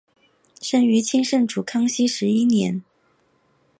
生于清圣祖康熙十一年。